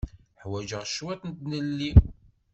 Ḥwaǧeɣ cwiṭ n tlelli.